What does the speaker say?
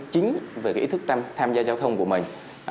chính về cái ý thức tham gia giao thông của mình